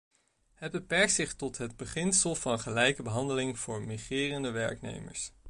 Het beperkt zich tot het beginsel van gelijke behandeling voor migrerende werknemers.